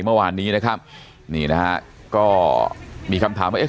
เมื่อวานนี้นะครับนี่นะฮะก็มีคำถามว่าเอ๊ะ